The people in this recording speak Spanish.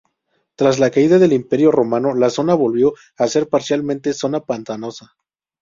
Tras la caída del Imperio Romano, la zona volvió a ser parcialmente, zona pantanosa.